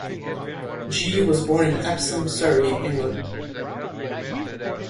G was born in Epsom, Surrey, England.